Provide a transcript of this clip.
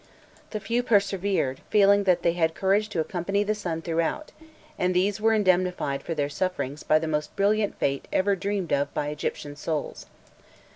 The few persevered, feeling that they had courage to accompany the sun throughout, and these were indemnified for their sufferings by the most brilliant fate ever dreamed of by Egyptian souls.